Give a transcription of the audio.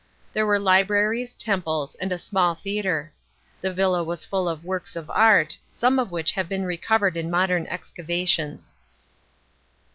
There were libraries, temples, and a small theatre. The villa was full of works of art, some of which have been recovered in modern excavations.